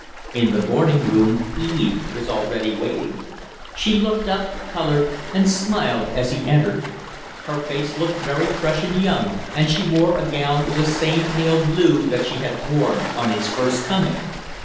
In the morning room Eve was already waiting. She looked up, colored, and smiled as he entered. Her face looked very fresh and young and she wore a gown of the same pale blue that she had worn on his first coming.